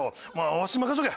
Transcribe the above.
わしに任しとけ。